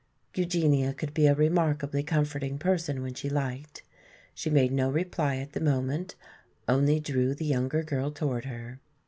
Eugenia could be a remarkably comforting person when she liked. She made no reply at the moment, only drew the younger girl toward her.